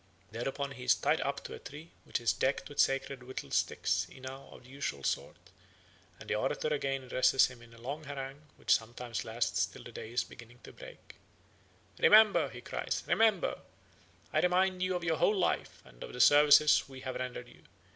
Thereupon he is tied up to a tree, which is decked with sacred whittled sticks (inao) of the usual sort; and the orator again addresses him in a long harangue, which sometimes lasts till the day is beginning to break. "Remember," he cries, "remember! I remind you of your whole life and of the services we have rendered you.